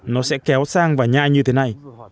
nó sẽ kéo sang và nhai như thế này